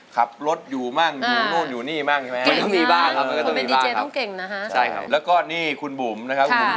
ขับรถอยู่มั่งอยู่นู่นอยู่นี่มั่งใช่มั้ย